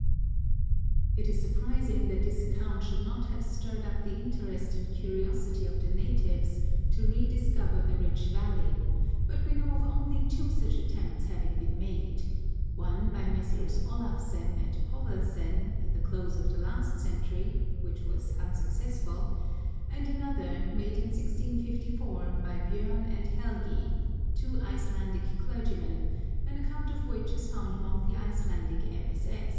It is surprising that this account should not have stirred up the interest and curiosity of the natives to rediscover the rich valley, but we know of only two such attempts having been made : one by Messrs. Olafsen and Povelsen, at the close of last century, which was unsuccessful, and another, made in 1654, by Bjorn and Helgi, two Icelandic clergymen, an account of which is found among the Icelandic MSS.